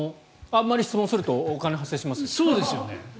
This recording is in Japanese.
あまり質問するとお金が発生しますよ。